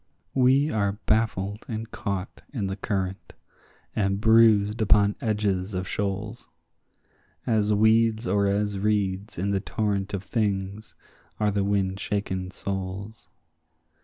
We are baffled and caught in the current and bruised upon edges of shoals; As weeds or as reeds in the torrent of things are the wind shaken souls.